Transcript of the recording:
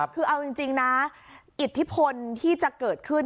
คือเอาจริงนะอิทธิพลที่จะเกิดขึ้น